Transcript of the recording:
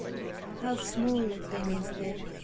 HOW small a thing is this